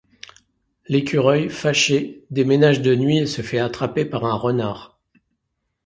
L’écureuil, fâché, déménage de nuit et se fait attraper par un renard…